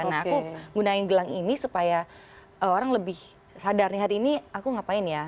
nah aku gunain gelang ini supaya orang lebih sadar nih hari ini aku ngapain ya